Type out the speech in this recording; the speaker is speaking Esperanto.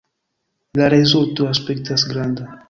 La rezulto aspektas granda!